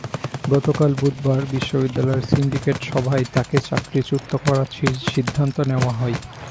গতকাল বুধবার বিশ্ববিদ্যালয়ের সিন্ডিকেট সভায় তাঁকে চাকরিচ্যুত করার সিদ্ধান্ত নেওয়া হয়।